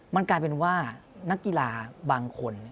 มันกลายเป็นว่านักกีฬาบางคน